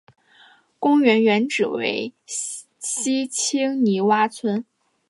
公园原址为西青泥洼村。